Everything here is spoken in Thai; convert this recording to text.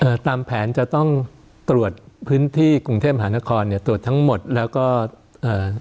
ตามแผนจะต้องตรวจพื้นที่กรุงเทพหานครเนี่ยตรวจทั้งหมดแล้วก็เอ่อ